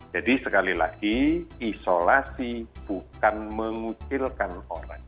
jadi sekali lagi isolasi bukan mengucilkan orang